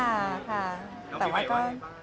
แล้วปีใหม่วันนี้ค่ะ